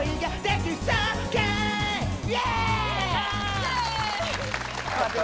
イエーイ！